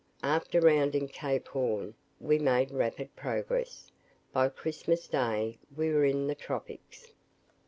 After rounding Cape Horn, we made rapid progress; by Christmas Day, we were in the Tropics.